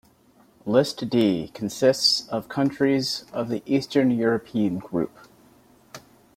List D consists of countries of the Eastern European Group.